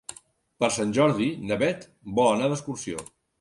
Per Sant Jordi na Beth vol anar d'excursió.